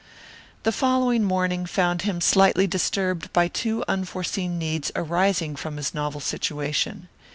The following morning found him slightly disturbed by two unforeseen needs arising from his novel situation.